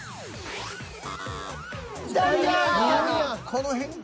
この辺か。